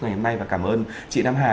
ngày hôm nay và cảm ơn chị nam hà